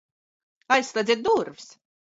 Aizslēdziet durvis!